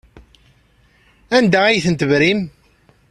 Anda ay tent-tebrim?